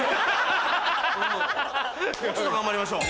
もうちょっと頑張りましょう。